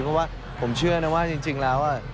เพราะว่าผมเชื่อนะว่าจริงแล้ว